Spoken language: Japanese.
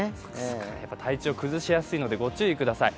体調崩しやすいのでご注意ください。